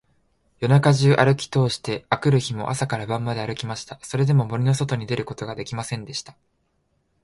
夜中じゅうあるきとおして、あくる日も朝から晩まであるきました。それでも、森のそとに出ることができませんでした。